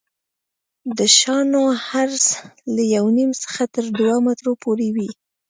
د شانو عرض له یو نیم څخه تر دوه مترو پورې وي